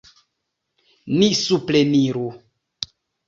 Ni supreniru!